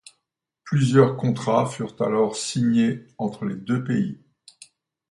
Plusieurs contrats furent alors signés entre les deux pays.